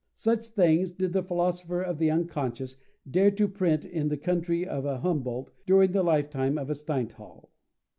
Such things did the philosopher of the Unconscious dare to print in the country of a Humboldt during the lifetime of a Steinthal!